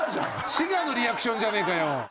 滋賀のリアクションじゃねえかよ！